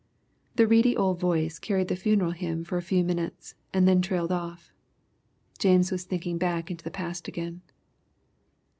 '" The reedy old voice carried the funeral hymn for a few minutes and then trailed off. James was thinking back into the past again.